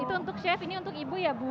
itu untuk chef ini untuk ibu ya bu